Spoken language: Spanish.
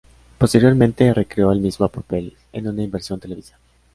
Posteriormente recreó el mismo papel en una versión televisiva.